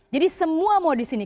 jadi semua mau di sini